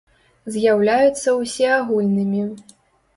З’яўляюцца ўсеагульнымі.